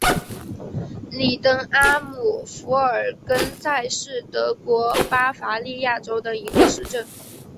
里登阿姆福尔根塞是德国巴伐利亚州的一个市镇。